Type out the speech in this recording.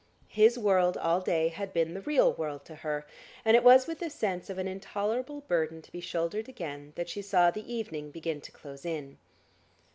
His world all day had been the real world to her, and it was with the sense of an intolerable burden to be shouldered again that she saw the evening begin to close in.